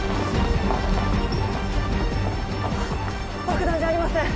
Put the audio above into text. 爆弾じゃありません